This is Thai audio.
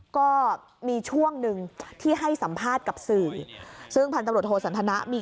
ก็มีช่วงหนึ่งที่ให้สัมภาษณ์กับสื่อซึ่งพันตำรวจโทสันทนะมี